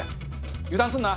油断すんな！